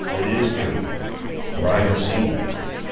It is true; for I have seen them.